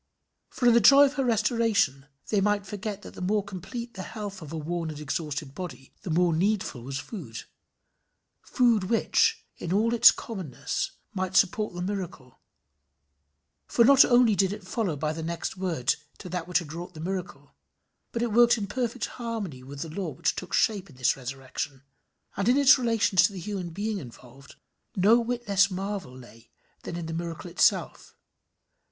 For in the joy of her restoration, they might forget that the more complete the health of a worn and exhausted body, the more needful was food food which, in all its commonness, might well support the miracle; for not only did it follow by the next word to that which had wrought the miracle, but it worked in perfect harmony with the law which took shape in this resurrection, and in its relations to the human being involved no whit less marvel than lay in the miracle itself.